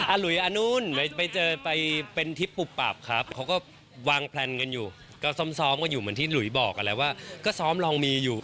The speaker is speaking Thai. อะหลุยอะนู้นไปเป็นทิพปุปับครับเขาก็วางแพลนกันอยู่ก็ซ้อมก็อยู่เหมือนที่หลุยบอกอะไรว่าก็ซ้อมลองมีอยู่